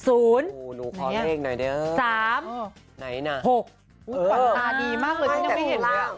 อุ้ยตอนตาดีมากเลยฉันยังไม่เห็น